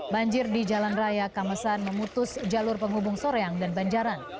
banjir di jalan raya kamesan memutus jalur penghubung soreang dan banjaran